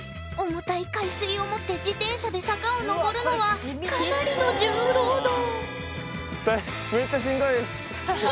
重たい海水を持って自転車で坂をのぼるのはかなりの重労働。